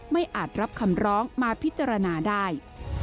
อาจรับคำร้องมาพิจารณาได้